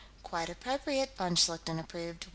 "Quite appropriate," von Schlichten approved.